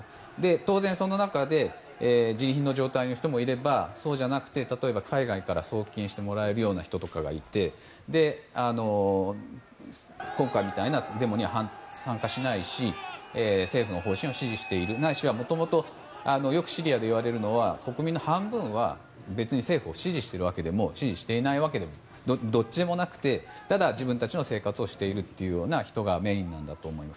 当然、その中でジリ貧の状態の人もいればそうじゃなくて例えば海外から送金してもらえるような人がいて今回みたいなデモに参加しないし政府の方針を支持しているないしは、もともとよくシリアでいわれるのは国民の半分は別に政府を支持しているわけでも支持してないわけでもどっちでもなくてただ自分たちの生活をしているという人がメインなんだと思います。